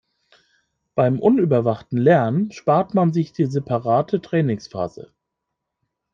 Beim unüberwachten Lernen spart man sich die separate Trainingsphase.